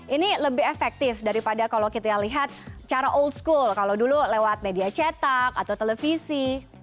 ini lebih efektif daripada kalau kita lihat cara old school kalau dulu lewat media cetak atau televisi